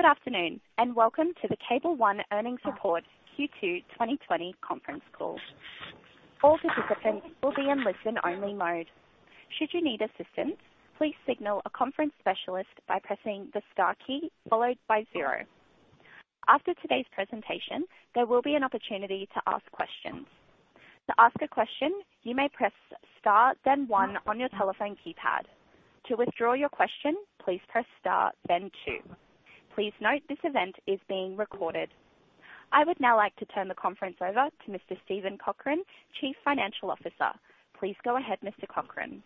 Good afternoon, and welcome to the Cable One earnings report Q2 2020 conference call. All participants will be in listen only mode. Should you need assistance, please signal a conference specialist by pressing the star key followed by zero. After today's presentation, there will be an opportunity to ask questions. To ask a question, you may press then one on your telephone keypad. Two withdraw your question, please press star then two. Please note this event is being recorded. I would now like to turn the conference over to Mr. Steven Cochran, Chief Financial Officer. Please go ahead, Mr. Cochran.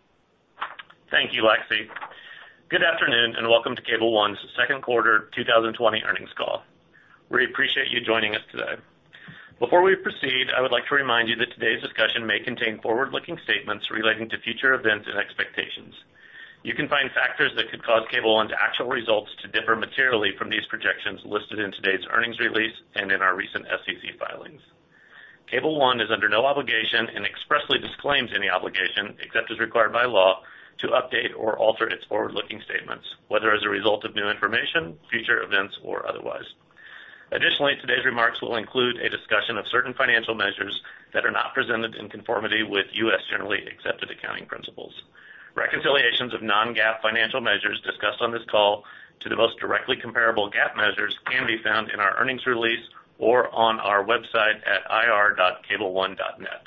Thank you, Lexi. Good afternoon, and welcome to Cable One's second quarter 2020 earnings call. We appreciate you joining us today. Before we proceed, I would like to remind you that today's discussion may contain forward-looking statements relating to future events and expectations. You can find factors that could cause Cable One's actual results to differ materially from these projections listed in today's earnings release and in our recent SEC filings. Cable One is under no obligation and expressly disclaims any obligation, except as required by law, to update or alter its forward-looking statements, whether as a result of new information, future events, or otherwise. Additionally, today's remarks will include a discussion of certain financial measures that are not presented in conformity with U.S. generally accepted accounting principles. Reconciliations of non-GAAP financial measures discussed on this call to the most directly comparable GAAP measures can be found in our earnings release or on our website at ir.cableone.net.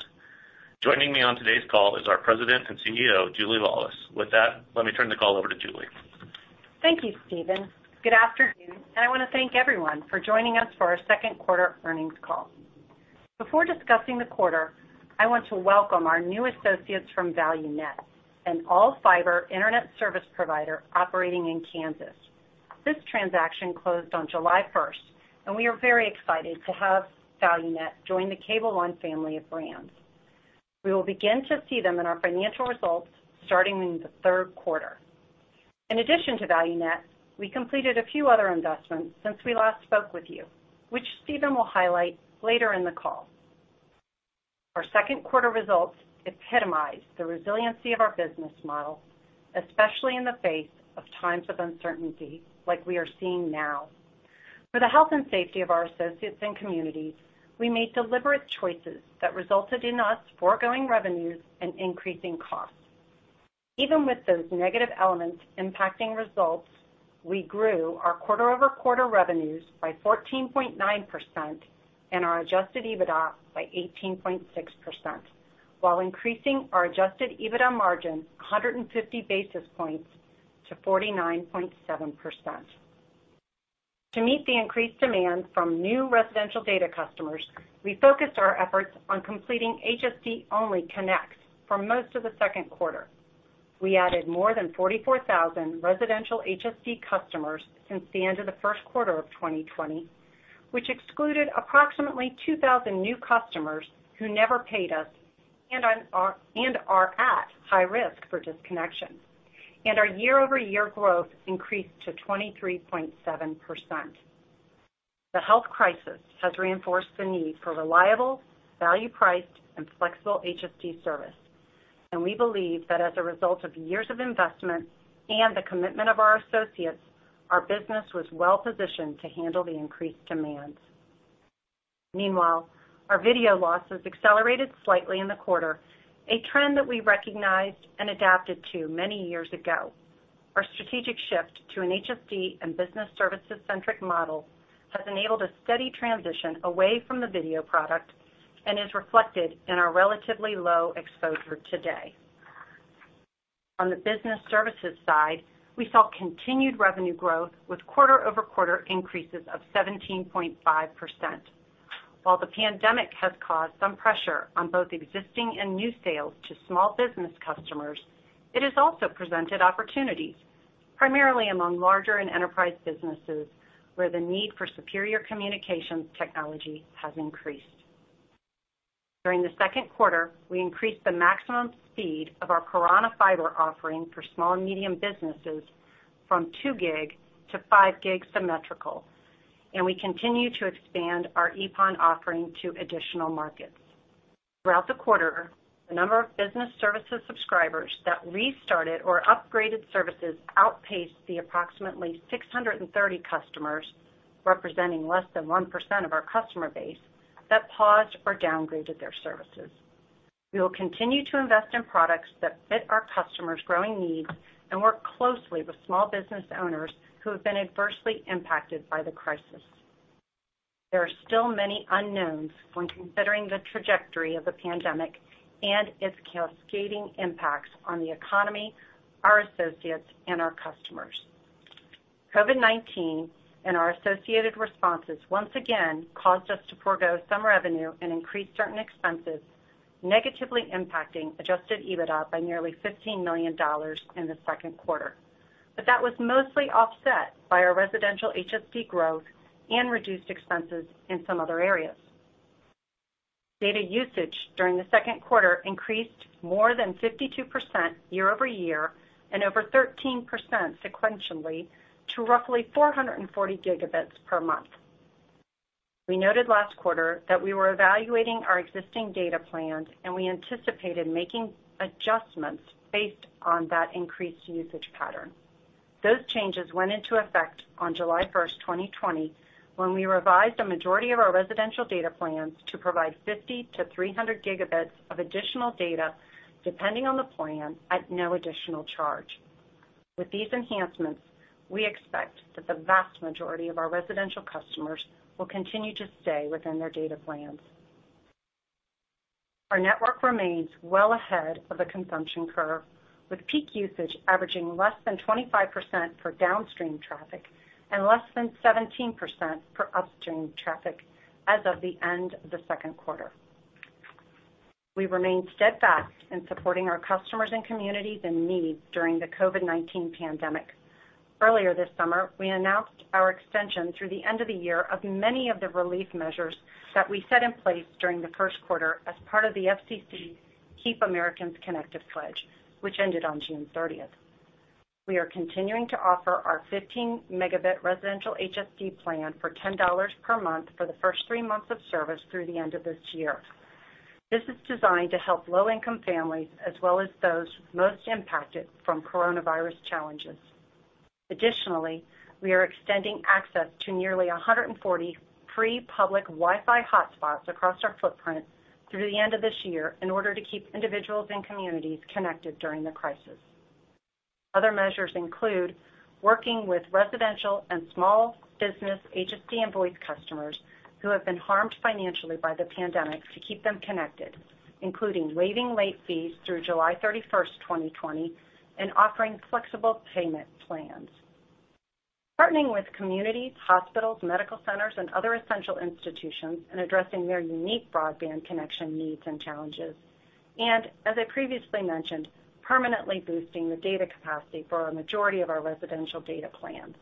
Joining me on today's call is our President and CEO, Julie Laulis. With that, let me turn the call over to Julie. Thank you, Steven. Good afternoon. I want to thank everyone for joining us for our second quarter earnings call. Before discussing the quarter, I want to welcome our new associates from ValuNet, an all-fiber internet service provider operating in Kansas. This transaction closed on July 1st. We are very excited to have ValuNet join the Cable One family of brands. We will begin to see them in our financial results starting in the third quarter. In addition to ValuNet, we completed a few other investments since we last spoke with you, which Steven will highlight later in the call. Our second quarter results epitomize the resiliency of our business model, especially in the face of times of uncertainty like we are seeing now. For the health and safety of our associates and communities, we made deliberate choices that resulted in us foregoing revenues and increasing costs. Even with those negative elements impacting results, we grew our quarter-over-quarter revenues by 14.9% and our adjusted EBITDA by 18.6%, while increasing our adjusted EBITDA margin 150 basis points to 49.7%. To meet the increased demand from new residential data customers, we focused our efforts on completing HSD-only connects for most of the second quarter. We added more than 44,000 residential HSD customers since the end of the first quarter of 2020, which excluded approximately 2,000 new customers who never paid us and are at high risk for disconnection. Our year-over-year growth increased to 23.7%. The health crisis has reinforced the need for reliable, value-priced, and flexible HSD service, and we believe that as a result of years of investment and the commitment of our associates, our business was well-positioned to handle the increased demands. Meanwhile, our video losses accelerated slightly in the quarter, a trend that we recognized and adapted to many years ago. Our strategic shift to an HSD and business services-centric model has enabled a steady transition away from the video product and is reflected in our relatively low exposure today. On the business services side, we saw continued revenue growth with quarter-over-quarter increases of 17.5%. While the pandemic has caused some pressure on both existing and new sales to small business customers, it has also presented opportunities, primarily among larger and enterprise businesses, where the need for superior communications technology has increased. During the second quarter, we increased the maximum speed of our Piranha Fiber offering for small and medium businesses from 2 Gb-5 Gb symmetrical, and we continue to expand our EPON offering to additional markets. Throughout the quarter, the number of business services subscribers that restarted or upgraded services outpaced the approximately 630 customers, representing less than 1% of our customer base, that paused or downgraded their services. We will continue to invest in products that fit our customers' growing needs and work closely with small business owners who have been adversely impacted by the crisis. There are still many unknowns when considering the trajectory of the pandemic and its cascading impacts on the economy, our associates, and our customers. COVID-19 and our associated responses once again caused us to forego some revenue and increase certain expenses, negatively impacting adjusted EBITDA by nearly $15 million in the second quarter. That was mostly offset by our residential HSD growth and reduced expenses in some other areas. Data usage during the second quarter increased more than 52% year-over-year and over 13% sequentially to roughly 440 Gb per month. We noted last quarter that we were evaluating our existing data plans, and we anticipated making adjustments based on that increased usage pattern. Those changes went into effect on July 1st, 2020, when we revised the majority of our residential data plans to provide 50 Gb-300 Gb of additional data, depending on the plan, at no additional charge. With these enhancements, we expect that the vast majority of our residential customers will continue to stay within their data plans. Our network remains well ahead of the consumption curve, with peak usage averaging less than 25% for downstream traffic and less than 17% for upstream traffic as of the end of the second quarter. We remain steadfast in supporting our customers and communities in need during the COVID-19 pandemic. Earlier this summer, we announced our extension through the end of the year of many of the relief measures that we set in place during the first quarter as part of the FCC Keep Americans Connected pledge, which ended on June 30th. We are continuing to offer our 15 Mb residential HSD plan for $10 per month for the first three months of service through the end of this year. This is designed to help low-income families, as well as those most impacted from coronavirus challenges. Additionally, we are extending access to nearly 140 free public Wi-Fi hotspots across our footprint through the end of this year in order to keep individuals and communities connected during the crisis. Other measures include working with residential and small business HSD and voice customers who have been harmed financially by the pandemic to keep them connected, including waiving late fees through July 31st, 2020, and offering flexible payment plans. Partnering with communities, hospitals, medical centers, and other essential institutions and addressing their unique broadband connection needs and challenges. As I previously mentioned, permanently boosting the data capacity for a majority of our residential data plans.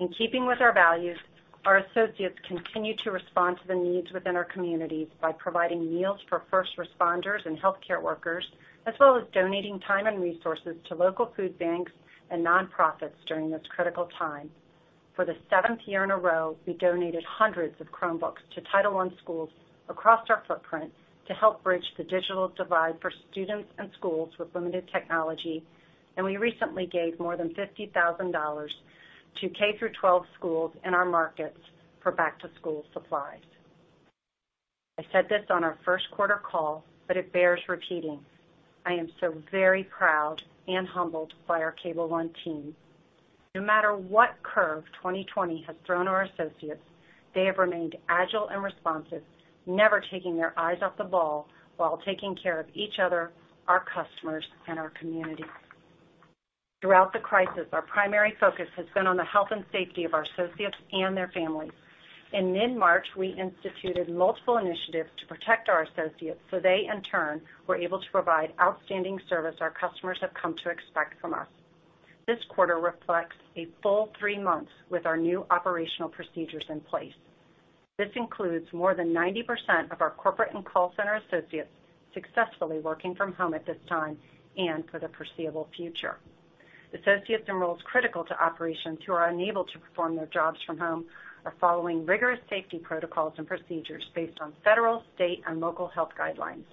In keeping with our values, our associates continue to respond to the needs within our communities by providing meals for first responders and healthcare workers, as well as donating time and resources to local food banks and nonprofits during this critical time. For the seventh year in a row, we donated hundreds of Chromebooks to Title I schools across our footprint to help bridge the digital divide for students and schools with limited technology, and we recently gave more than $50,000 to K-12 schools in our markets for back-to-school supplies. I said this on our first quarter call, but it bears repeating. I am so very proud and humbled by our Cable One team. No matter what curve 2020 has thrown our associates, they have remained agile and responsive, never taking their eyes off the ball while taking care of each other, our customers, and our community. Throughout the crisis, our primary focus has been on the health and safety of our associates and their families. In mid-March, we instituted multiple initiatives to protect our associates so they in turn were able to provide outstanding service our customers have come to expect from us. This quarter reflects a full three months with our new operational procedures in place. This includes more than 90% of our corporate and call center associates successfully working from home at this time and for the foreseeable future. Associates in roles critical to operations who are unable to perform their jobs from home are following rigorous safety protocols and procedures based on federal, state, and local health guidelines.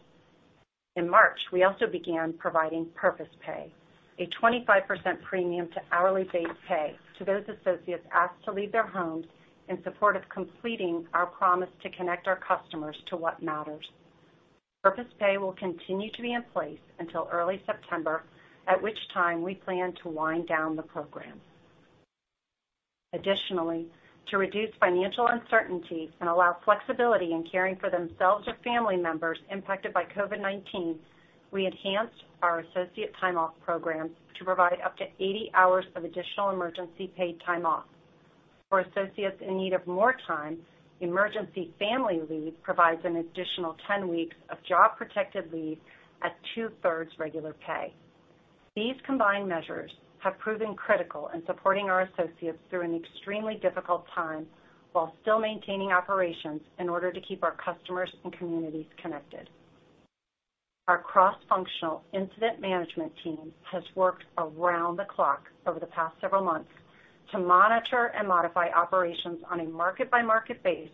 In March, we also began providing Purpose Pay, a 25% premium to hourly base pay to those associates asked to leave their homes in support of completing our promise to connect our customers to what matters. Purpose Pay will continue to be in place until early September, at which time we plan to wind down the program. Additionally, to reduce financial uncertainty and allow flexibility in caring for themselves or family members impacted by COVID-19, we enhanced our associate time off program to provide up to 80 hours of additional emergency paid time off. For associates in need of more time, emergency family leave provides an additional 10 weeks of job-protected leave at two-thirds regular pay. These combined measures have proven critical in supporting our associates during an extremely difficult time while still maintaining operations in order to keep our customers and communities connected. Our cross-functional incident management team has worked around the clock over the past several months to monitor and modify operations on a market-by-market basis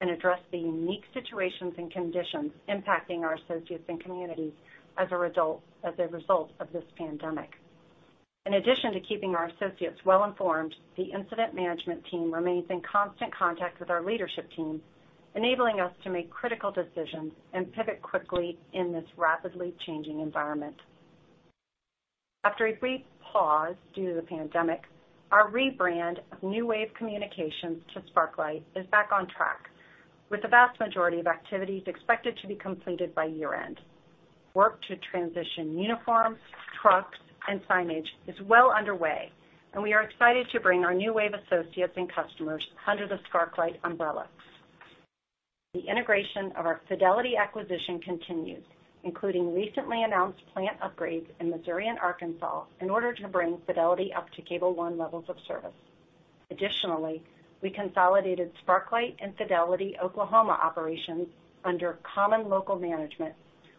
and address the unique situations and conditions impacting our associates and communities as a result of this pandemic. In addition to keeping our associates well-informed, the incident management team remains in constant contact with our leadership team, enabling us to make critical decisions and pivot quickly in this rapidly changing environment. After a brief pause due to the pandemic, our rebrand of NewWave Communications to Sparklight is back on track, with the vast majority of activities expected to be completed by year-end. Work to transition uniforms, trucks, and signage is well underway, and we are excited to bring our NewWave associates and customers under the Sparklight umbrella. The integration of our Fidelity acquisition continues, including recently announced plant upgrades in Missouri and Arkansas in order to bring Fidelity up to Cable One levels of service. Additionally, we consolidated Sparklight and Fidelity Oklahoma operations under common local management,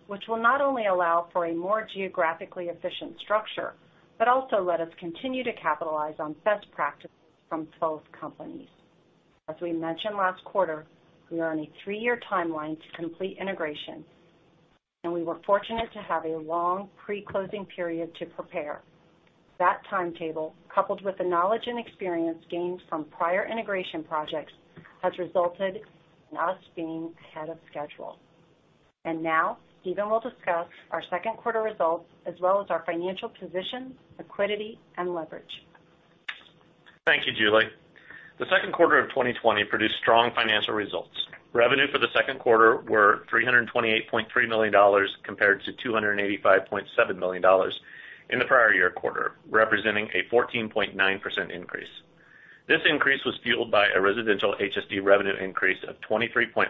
which will not only allow for a more geographically efficient structure, but also let us continue to capitalize on best practices from both companies. As we mentioned last quarter, we are on a three-year timeline to complete integration, and we were fortunate to have a long pre-closing period to prepare. That timetable, coupled with the knowledge and experience gained from prior integration projects, has resulted in us being ahead of schedule. Now Steven will discuss our second quarter results as well as our financial position, liquidity, and leverage. Thank you, Julie. The second quarter of 2020 produced strong financial results. Revenue for the second quarter were $328.3 million compared to $285.7 million in the prior year quarter, representing a 14.9% increase. This increase was fueled by a residential HSD revenue increase of 23.5%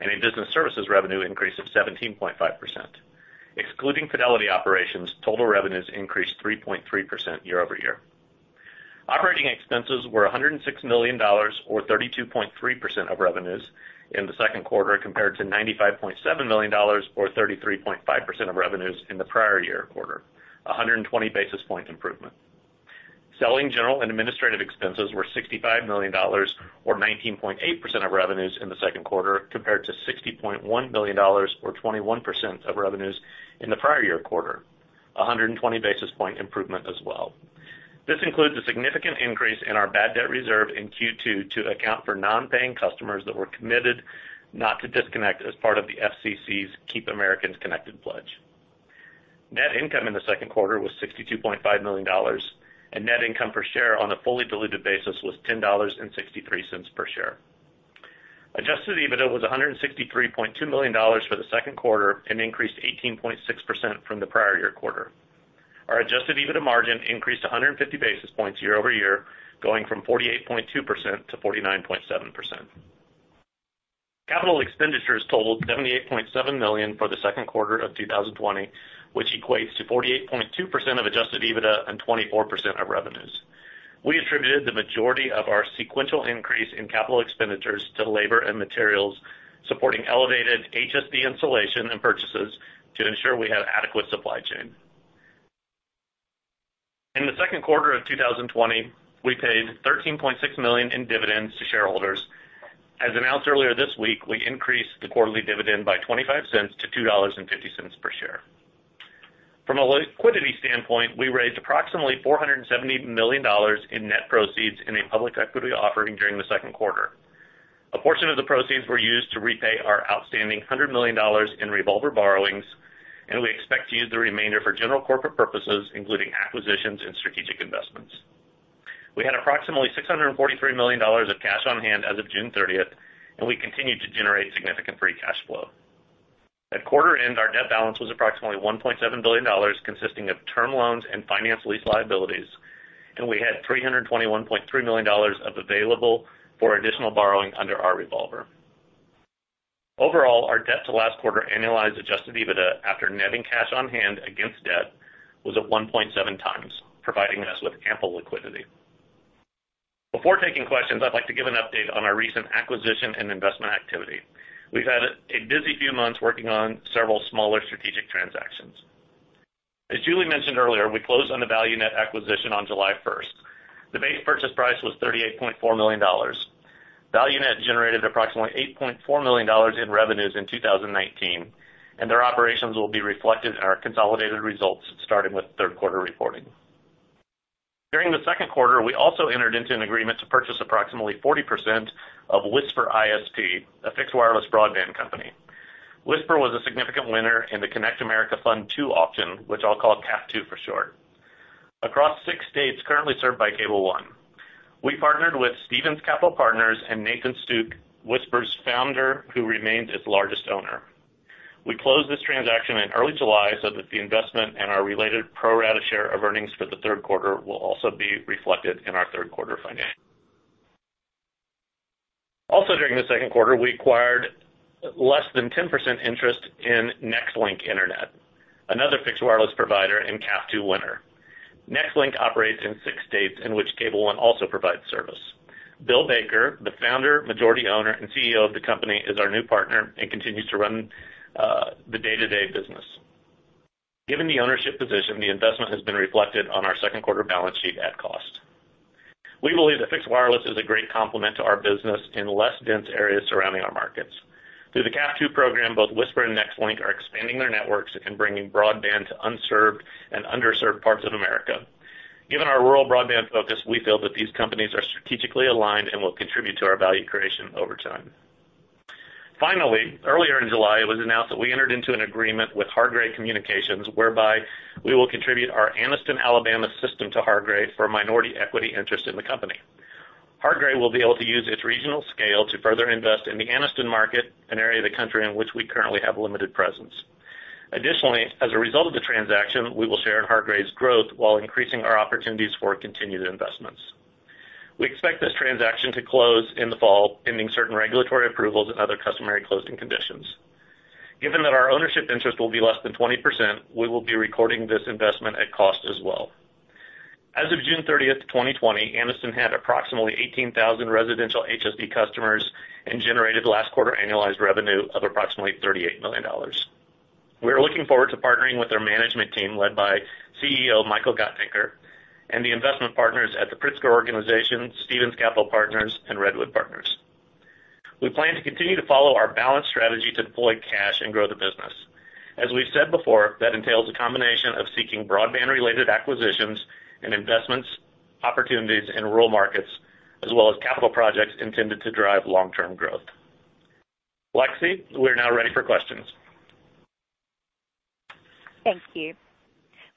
and a business services revenue increase of 17.5%. Excluding Fidelity operations, total revenues increased 3.3% year-over-year. Operating expenses were $106 million, or 32.3% of revenues in the second quarter, compared to $95.7 million, or 33.5% of revenues in the prior year quarter, a 120 basis point improvement. Selling general and administrative expenses were $65 million, or 19.8% of revenues in the second quarter, compared to $60.1 million, or 21% of revenues in the prior year quarter, a 120 basis point improvement as well. This includes a significant increase in our bad debt reserve in Q2 to account for non-paying customers that were committed not to disconnect as part of the FCC's Keep Americans Connected pledge. Net income in the second quarter was $62.5 million, and net income per share on a fully diluted basis was $10.63 per share. Adjusted EBITDA was $163.2 million for the second quarter and increased 18.6% from the prior year quarter. Our adjusted EBITDA margin increased 150 basis points year-over-year, going from 48.2% to 49.7%. Capital expenditures totaled $78.7 million for the second quarter of 2020, which equates to 48.2% of adjusted EBITDA and 24% of revenues. We attributed the majority of our sequential increase in capital expenditures to labor and materials, supporting elevated HSD installation and purchases to ensure we had adequate supply chain. In the second quarter of 2020, we paid $13.6 million in dividends to shareholders. As announced earlier this week, we increased the quarterly dividend by $0.25 to $2.50 per share. From a liquidity standpoint, we raised approximately $470 million in net proceeds in a public equity offering during the second quarter. A portion of the proceeds were used to repay our outstanding $100 million in revolver borrowings, and we expect to use the remainder for general corporate purposes, including acquisitions and strategic investments. We had approximately $643 million of cash on hand as of June 30th, and we continued to generate significant free cash flow. At quarter end, our net balance was approximately $1.7 billion, consisting of term loans and finance lease liabilities, and we had $321.3 million of available for additional borrowing under our revolver. Overall, our debt to last quarter annualized adjusted EBITDA after netting cash on hand against debt was at 1.7 times, providing us with ample liquidity. Before taking questions, I'd like to give an update on our recent acquisition and investment activity. We've had a busy few months working on several smaller strategic transactions. As Julie mentioned earlier, we closed on the ValuNet acquisition on July 1st. The base purchase price was $38.4 million. ValuNet generated approximately $8.4 million in revenues in 2019, and their operations will be reflected in our consolidated results starting with third quarter reporting. During the second quarter, we also entered into an agreement to purchase approximately 40% of Wisper ISP, a fixed wireless broadband company. Wisper was a significant winner in the Connect America Fund II auction, which I'll call CAF II for short. Across six states currently served by Cable One, we partnered with Stephens Capital Partners and Nathan Stooke, Wisper's founder, who remains its largest owner. We closed this transaction in early July so that the investment and our related pro rata share of earnings for the third quarter will also be reflected in our third quarter financials. Also during the second quarter, we acquired less than 10% interest in Nextlink Internet, another fixed wireless provider and CAF II winner. Nextlink operates in six states in which Cable One also provides service. Bill Baker, the founder, majority owner, and CEO of the company, is our new partner and continues to run the day-to-day business. Given the ownership position, the investment has been reflected on our second quarter balance sheet at cost. We believe that fixed wireless is a great complement to our business in less dense areas surrounding our markets. Through the CAF II program, both Wisper and Nextlink are expanding their networks and bringing broadband to unserved and underserved parts of America. Given our rural broadband focus, we feel that these companies are strategically aligned and will contribute to our value creation over time. Finally, earlier in July, it was announced that we entered into an agreement with Hargray Communications whereby we will contribute our Anniston, Alabama system to Hargray for a minority equity interest in the company. Hargray will be able to use its regional scale to further invest in the Anniston market, an area of the country in which we currently have limited presence. Additionally, as a result of the transaction, we will share in Hargray's growth while increasing our opportunities for continued investments. We expect this transaction to close in the fall, pending certain regulatory approvals and other customary closing conditions. Given that our ownership interest will be less than 20%, we will be recording this investment at cost as well. As of June 30th, 2020, Anniston had approximately 18,000 residential HSD customers and generated last quarter annualized revenue of approximately $38 million. We are looking forward to partnering with their management team, led by CEO Michael Gottdenker, and the investment partners at The Pritzker Organization, Stephens Capital Partners, and Redwood Partners. We plan to continue to follow our balanced strategy to deploy cash and grow the business. As we've said before, that entails a combination of seeking broadband-related acquisitions and investments, opportunities in rural markets, as well as capital projects intended to drive long-term growth. Lexi, we're now ready for questions. Thank you.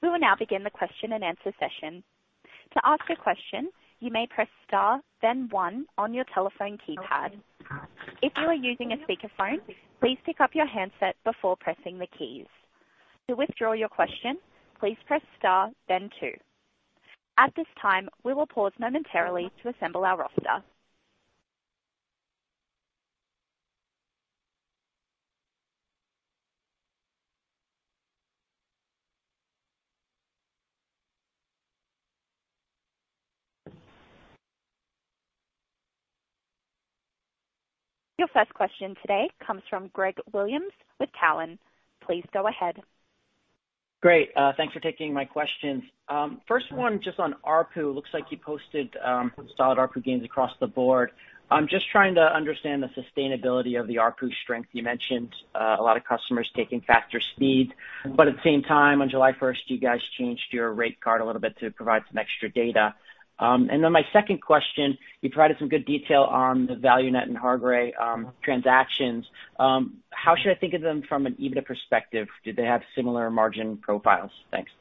We will now begin the question and answer session. To ask a question, you may press star then one your telephone keypad. If you are using a speaker phone, please pick up your handset before pressing the keys. To withdraw your question, please press star then two. At this time, we will pause momentarily to assemble our roster. Your first question today comes from Greg Williams with Cowen. Please go ahead. Great. Thanks for taking my questions. First one just on ARPU. Looks like you posted solid ARPU gains across the board. I'm just trying to understand the sustainability of the ARPU strength, you mentioned a lot of costumers taking faster speed. At the same time, on July 1st, you guys changed your rate card a little bit to provide some extra data. My second question, you provided some good detail on the ValuNet and Hargray transactions. How should I think of them from an EBITDA perspective? Do they have similar margin profiles? Thanks.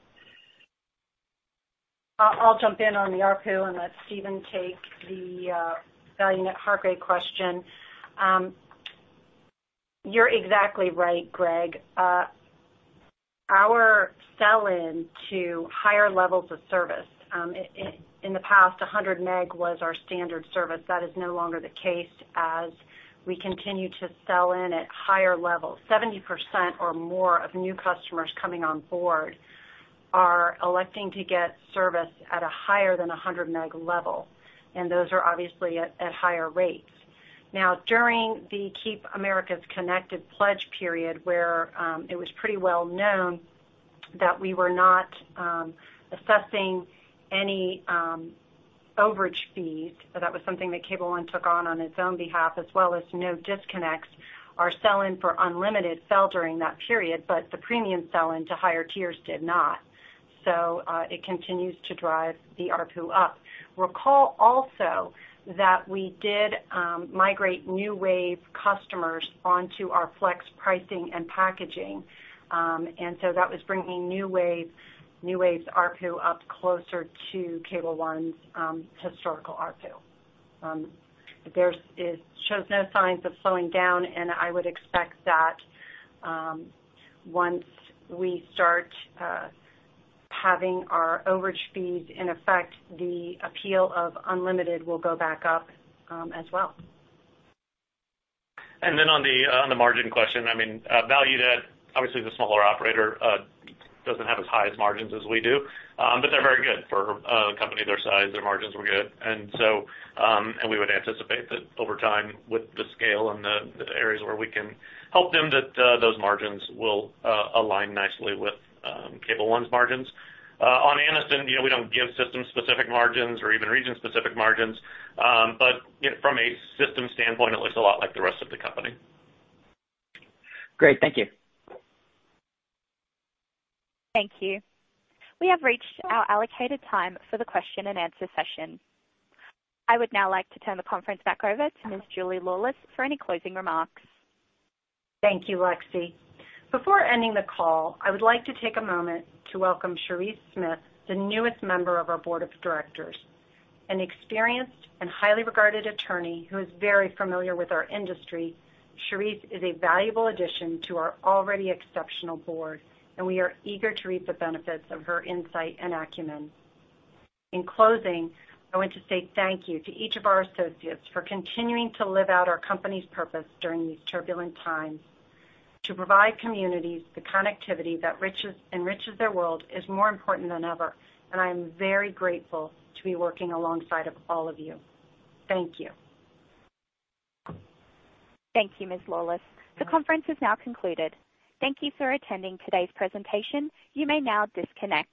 I'll jump in on the ARPU and let Steven take the ValuNet/Hargray question. You're exactly right, Greg. Our sell-in to higher levels of service, in the past 100 Mb was our standard service. That is no longer the case as we continue to sell in at higher levels. 70% or more of new customers coming on board are electing to get service at a higher than 100 Mb level, and those are obviously at higher rates. Now, during the Keep Americans Connected pledge period, where it was pretty well known that we were not assessing any overage fees, so that was something that Cable One took on its own behalf, as well as no disconnects. Our sell-in for unlimited fell during that period, but the premium sell-in to higher tiers did not. It continues to drive the ARPU up. Recall also that we did migrate NewWave customers onto our flex pricing and packaging. That was bringing NewWave's ARPU up closer to Cable One's historical ARPU. It shows no signs of slowing down, and I would expect that once we start having our overage fees in effect, the appeal of unlimited will go back up as well. On the margin question, ValuNet, obviously the smaller operator, doesn't have as high as margins as we do, but they're very good for a company their size. Their margins were good. We would anticipate that over time, with the scale and the areas where we can help them, that those margins will align nicely with Cable One's margins. On Anniston, we don't give system-specific margins or even region-specific margins. From a system standpoint, it looks a lot like the rest of the company. Great. Thank you. Thank you. We have reached our allocated time for the question and answer session. I would now like to turn the conference back over to Ms. Julie Laulis for any closing remarks. Thank you, Lexi. Before ending the call, I would like to take a moment to welcome Sherrese Smith, the newest member of our Board of Directors. An experienced and highly regarded attorney who is very familiar with our industry, Sherrese is a valuable addition to our already exceptional board, and we are eager to reap the benefits of her insight and acumen. In closing, I want to say thank you to each of our associates for continuing to live out our company's purpose during these turbulent times. To provide communities the connectivity that enriches their world is more important than ever, and I am very grateful to be working alongside of all of you. Thank you. Thank you, Ms. Laulis. The conference is now concluded. Thank you for attending today's presentation. You may now disconnect.